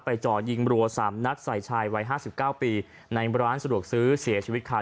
ไปจ่อนยิงบรัวสามนัดใส่ชายวัยห้าสิบเก้าปีในร้านสะดวกซื้อเสียชีวิตค่ะ